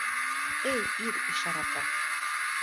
Эй, ир ишараты!